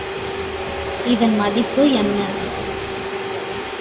இதன் மதிப்பு எம்எஸ்.